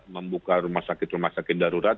membuka rumah sakit rumah sakit darurat